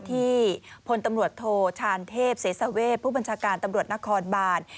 ที่พลตำรวจโทชานเทพเสสาเวทผู้บัญชาการตำรวจนครบาน